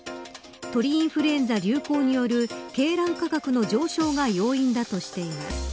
鳥インフルエンザ流行による鶏卵価格の上昇が要因だとしています。